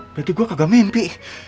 berarti gua kagak mimpi